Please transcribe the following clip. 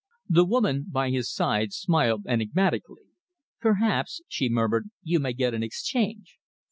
The woman by his side smiled enigmatically. "Perhaps," she murmured, "you may get an exchange."